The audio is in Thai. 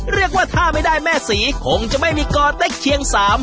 เรียกว่าถ้าไม่ได้แม่ศีคงไม่มีกรได้เคียงซาม